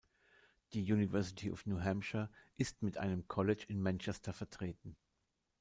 Die University of New Hampshire ist mit einem College in Manchester vertreten.